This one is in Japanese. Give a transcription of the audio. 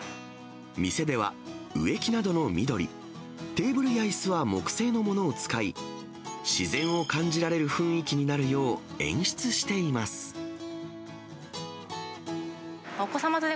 店では、植木などの緑、テーブルやいすは木製のものを使い、自然を感じられる雰囲気になるよう演出しています。